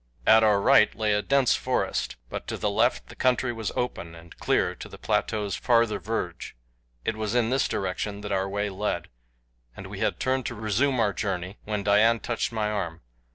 At our right lay a dense forest, but to the left the country was open and clear to the plateau's farther verge. It was in this direction that our way led, and we had turned to resume our journey when Dian touched my arm.